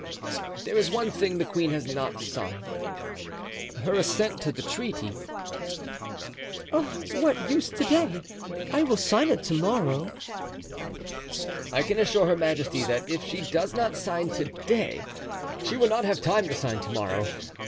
"There is one thing the queen has not signed—her assent to the treaty." "Of what use to day? I will sign it to morrow." "I can assure her majesty that if she does not sign to day she will not have time to sign to morrow.